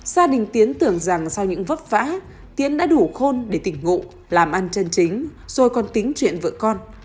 gia đình tiến tưởng rằng sau những vấp vã tiến đã đủ khôn để tỉnh ngụ làm ăn chân chính rồi còn tính chuyện vợ con